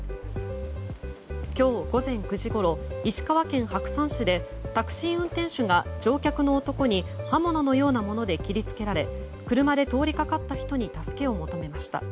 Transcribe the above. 今日、午前９時ごろ石川県白山市でタクシー運転手が乗客の男に刃物のようなもので切り付けられ車で通りかかった人に助けを求めました。